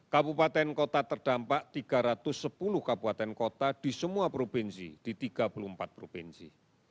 kabupaten kota terdampak tiga ratus sepuluh kabupaten kota di semua provinsi di tiga puluh empat provinsi